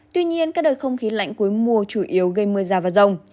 tuy nhiên các đợt không khí lạnh cuối mùa chủ yếu gây mưa rào và rông